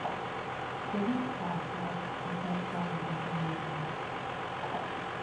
The weeks after, it kept on dropping in the chart.